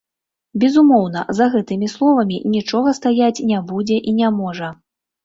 Безумоўна, за гэтымі словамі нічога стаяць не будзе і не можа.